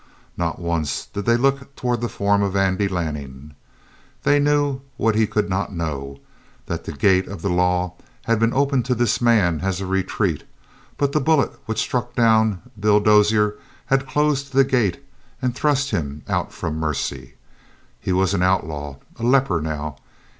Not once did they look toward the form of Andy Lanning. They knew what he could not know, that the gate of the law had been open to this man as a retreat, but the bullet which struck down Bill Dozier had closed the gate and thrust him out from mercy. He was an outlaw, a leper now.